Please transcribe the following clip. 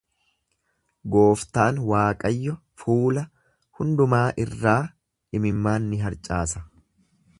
Gooftaan Waaqayyo fuula hundumaa irraa imimmaan ni harcaasa.